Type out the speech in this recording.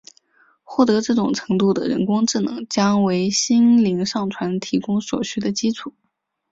获得这种程度的人工智能将为心灵上传提供所需的基础。